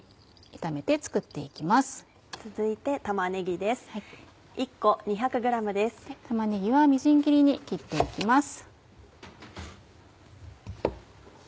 玉ねぎはみじん切りに切って行きます。